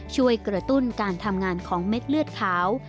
ช่วยกระตุ้นการทำงานของเม็ดเลือดขาว